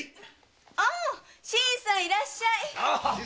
ああ新さんいらっしゃい！